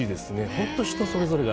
本当、人それぞれ。